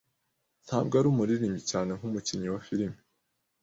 Ntabwo ari umuririmbyi cyane nkumukinnyi wa filime.